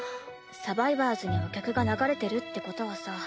「サバイバーズ」にお客が流れてるってことはさ